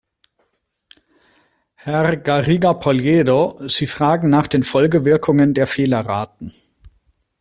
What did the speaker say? Herr Garriga Polledo, Sie fragen nach den Folgewirkungen der Fehlerraten.